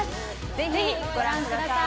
ぜひご覧ください！